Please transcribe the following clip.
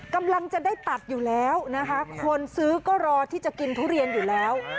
กำลังจะได้ตัดอยู่แล้วนะคะคนซื้อก็รอที่จะกินทุเรียนอยู่แล้ว